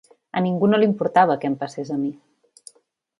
A ningú no li importava què em passés a mi.